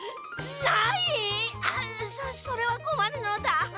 そそれはこまるのだ。